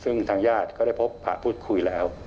ซึ่งทางญาติก็ได้พบพระพูดคุยแล้ว